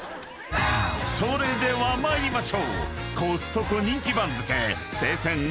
［それでは参りましょう］